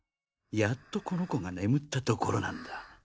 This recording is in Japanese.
やっとこの子が眠ったところなんだ。